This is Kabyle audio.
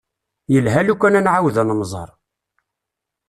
Yelha lukan ad nεawed ad nemẓer.